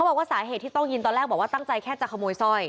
คือสาเหตุที่ต้องยินตอนแรกตั้งใจแค่จะขโมยสร้อย